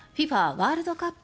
ワールドカップ